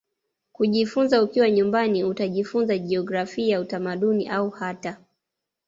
kujifunza ukiwa nyumbani Utajifunza jiografia utamaduni au hata